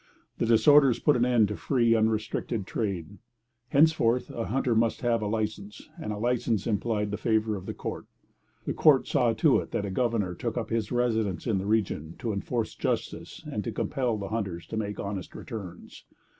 The disorders put an end to free, unrestricted trade. Henceforth a hunter must have a licence; and a licence implied the favour of the court. The court saw to it that a governor took up his residence in the region to enforce justice and to compel the hunters to make honest returns.